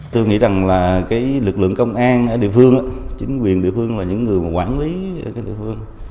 tôi nghĩ rằng là cái lực lượng công an ở địa phương chính quyền địa phương và những người quản lý ở địa phương